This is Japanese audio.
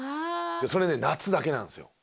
それね夏だけなんですよ。